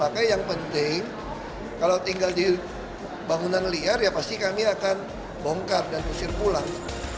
maka yang penting kalau tinggal di bangunan liar ya pasti kami akan bongkar dan usir pulang